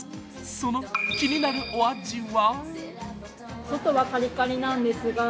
その気になるお味は？